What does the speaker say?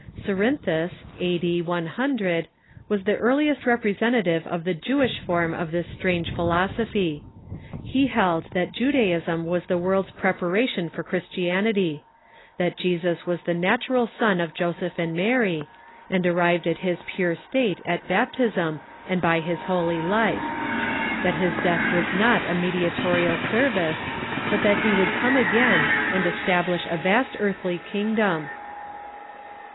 Cerinthus (a.d. 100) was the earliest representative of the Jewish form of this strange philosophy. He held that Juda ism was the Avorld's preparation for Christianity ; Jewish ^jj^|. j(.gyg ^yas the natural son of Joseph and Mary, Gnosticism i • i i • and arrived at his pure state at baptism and by his hol}^ life ; that his death was not a mediatorial service ; but that he would come again, and establish a vast earthl}^ king dom.